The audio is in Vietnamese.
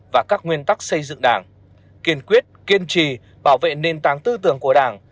và các nguyên tắc xây dựng đảng kiên quyết kiên trì bảo vệ nền tảng tư tưởng của đảng